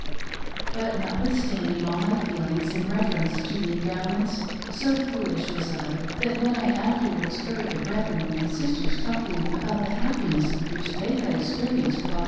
But notwithstanding all my feelings in reference to the Endowments, so foolish was I, that when I afterwards heard the brethren and sisters talking about the happiness which they had experienced while.